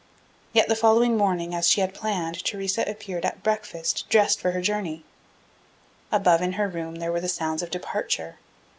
Yet the following morning, as she had planned, Theresa appeared at breakfast dressed for her journey. Above in her room there were the sounds of departure.